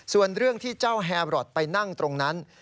ส่วนเรื่องที่เจ้าแฮบรอทไปนั่งตรงนั้น